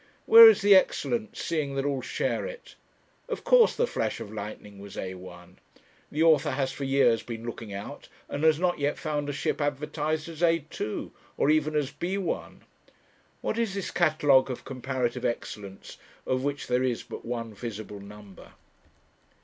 Where is the excellence, seeing that all share it? Of course the Flash of Lightning was A 1. The author has for years been looking out, and has not yet found a ship advertised as A 2, or even as B 1. What is this catalogue of comparative excellence, of which there is but one visible number?